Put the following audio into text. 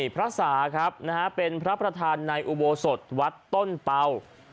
พระสาครับเป็นพระประธานในอุโบสถวัดต้นเป่า